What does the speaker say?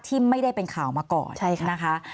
ที่ไม่ได้เป็นข่าวมาก่อนนะคะ